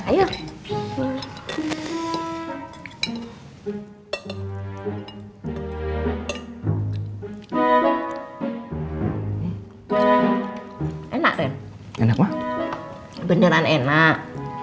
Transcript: iya beneran enak